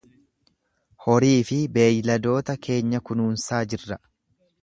Horii fi beeyladoota keenya kunuunsaa jirra.